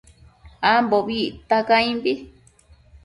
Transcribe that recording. Ambobi icta caimbi